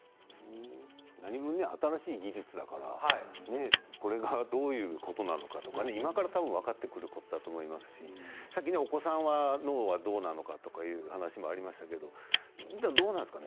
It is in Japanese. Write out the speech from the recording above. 何分、新しい技術だからこれがどういうことなのかとか今から分かってくることだと思いますしさっきお子さんの脳はどうなのかっていう話もありましたけれどもどうなんですかね